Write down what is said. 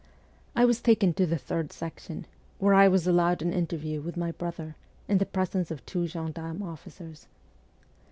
I was taken to the Third Section, where I was allowed an interview with my brother, in the presence of two gendarme officers.